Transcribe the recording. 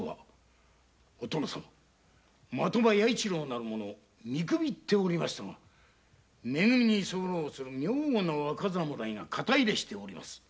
お殿様的場弥一郎を見くびっておりましたがめ組に居候する妙な若侍が肩入れしております。